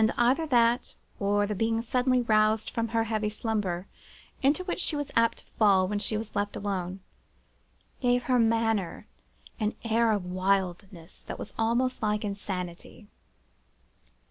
And either that, or the being suddenly roused from the heavy slumber into which she was apt to fall when she was left alone, gave her manner an air of wildness that was almost like insanity.